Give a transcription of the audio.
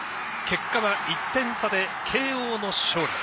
結果は１点差で慶応の勝利。